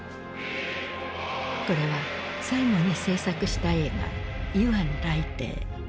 これは最後に製作した映画「イワン雷帝」。